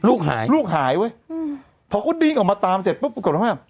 ลูกหายลูกหายเว้ยเพราะเขาดริงออกมาตามเสร็จ